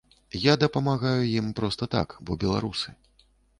Я дапамагаю ім проста так, бо беларусы.